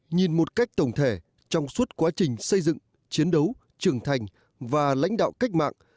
nhìn một cách tổng thể trong suốt quá trình xây dựng chiến đấu trưởng thành và lãnh đạo cách mạng